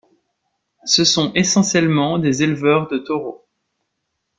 Ce sont essentiellement des éleveurs de taureaux.